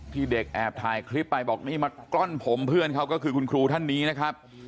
เด็กแอบถ่ายคลิปไปบอกนี่มากล้อนผมเพื่อนเขาก็คือคุณครูท่านนี้นะครับ